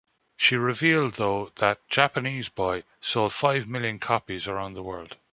She revealed though that "Japanese Boy" sold five million copies around the world.